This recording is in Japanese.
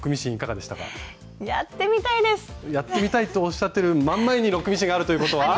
やってみたいとおっしゃってる真ん前にロックミシンがあるということは。